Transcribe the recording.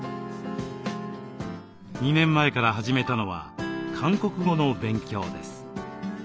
２年前から始めたのは韓国語の勉強です。